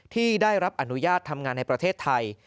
ที่ได้รับอนุญาตทำงานในประเทศไทย